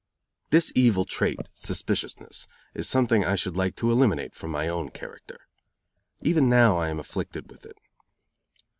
This evil trait, suspiciousness, is something I should like to eliminate from my own character. Even now I am afflicted with it.